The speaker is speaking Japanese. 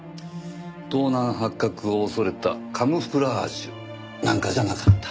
盗難発覚を恐れたカムフラージュなんかじゃなかった。